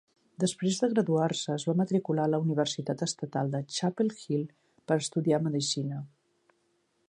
Després de graduar-se, es va matricular a la universitat estatal de Chapel Hill per estudiar medicina.